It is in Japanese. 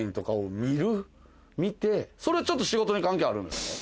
見てそれはちょっと仕事に関係あるんですか？